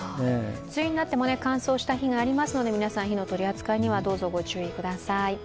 梅雨になっても乾燥した日がありますので、皆さん、火の取り扱いにはどうぞご注意ください。